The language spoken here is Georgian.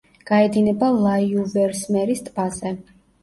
გაედინება ლაიუვერსმერის ტბაზე.